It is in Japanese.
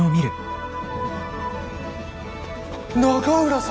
永浦さん！